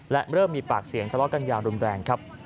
และเริ่มมีปากเสียงทะเลาะกันอย่างรุนแรงครับ